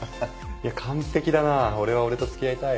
いや完璧だなぁ俺は俺と付き合いたい。